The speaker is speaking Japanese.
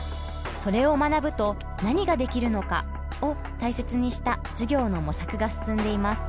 「それを学ぶと何ができるのか？」を大切にした授業の模索が進んでいます。